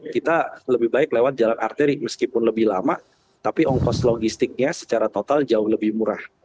kita lebih baik lewat jalan arteri meskipun lebih lama tapi ongkos logistiknya secara total jauh lebih murah